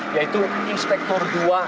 yaitu inspektor dua